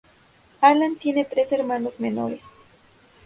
Alan tiene tres hermanos menores.